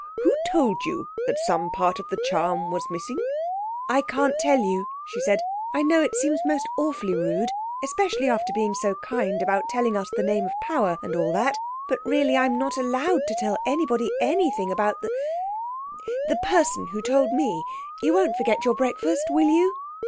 Who told you that some part of the charm was missing?" "I can't tell you," she said. "I know it seems most awfully rude, especially after being so kind about telling us the name of power, and all that, but really, I'm not allowed to tell anybody anything about the—the—the person who told me. You won't forget your breakfast, will you?"